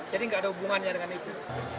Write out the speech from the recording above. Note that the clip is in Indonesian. jadi nggak ada hubungannya dengan itu